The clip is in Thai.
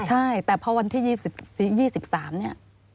ใช่แต่พอวันที่๒๓เนี่ย